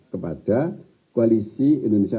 kepada koalisi indonesia